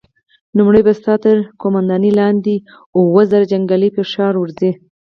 لومړی به ستا تر قوماندې لاندې اووه زره جنيګالي پر ښار ورځي!